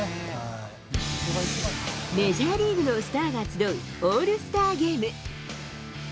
メジャーリーグのスターが集うオールスターゲーム。